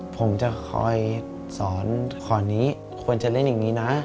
ผมจะคอยสอนขอนนี้ควรจะเล่นอย่างนี้นะ